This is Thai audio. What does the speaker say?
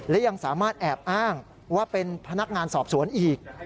และยังสามารถแอบอ้างว่าเป็นพนักงานสอบสวนอีก